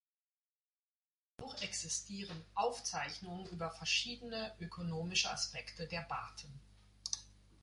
Auch existieren Aufzeichnungen über verschiedene ökonomische Aspekte der Barten.